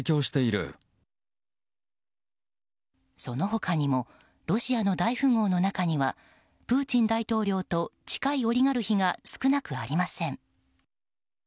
その他にもロシアの大富豪の中にはプーチン大統領と近いオリガルヒが少なくありません。